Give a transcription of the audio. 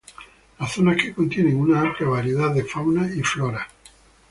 Las zonas que contienen una amplia variedad de fauna y flora.